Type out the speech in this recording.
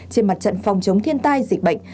trên mặt trận phòng chống thiên tai dịch bệnh